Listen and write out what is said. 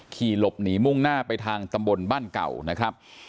ขี่หลบหนีมุ่งหน้าไปทางตำบลบ้านเก่านะครับ